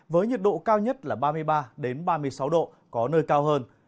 với nhiệt độ cao nhất là ba mươi ba ba mươi sáu độ có nơi cao hơn